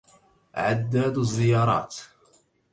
عداد الزيارات